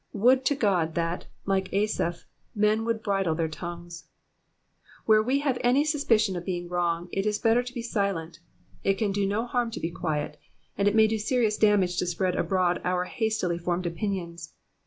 Would to God that, like Asaph, men would bridle their tongues. Where we have any suspicion of being wrong, it is better to be silent ; it can do no harm to be quiet, and it may do serious damage to spread abroad our hastily formed opinions.